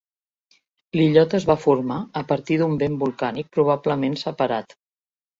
L'illot es va formar a partir d'un vent volcànic probablement separat.